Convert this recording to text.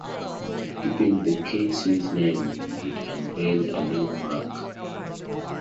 Keeping the K-Swiss name it unveiled a new marque.